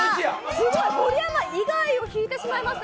すごい、「盛山以外」を引いてしまいました！